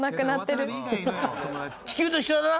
地球と一緒だな。